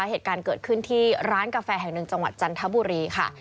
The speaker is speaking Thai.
เหตุการณ์เกิดขึ้นที่ร้านกาแฟแห่งหนึ่งจังหวัดจันทบุรีค่ะ